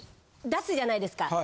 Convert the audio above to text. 出すじゃないですか。